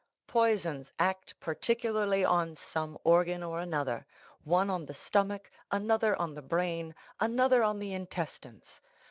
Poisons act particularly on some organ or another—one on the stomach, another on the brain, another on the intestines.